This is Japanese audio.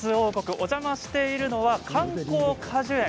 お邪魔しているのは観光果樹園。